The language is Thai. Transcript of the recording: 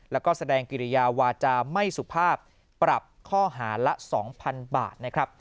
แล้วก็แสดงกิริยาวาจาไม่สุภาพปรับข้อหาละ๒๐๐๐บาทนะครับ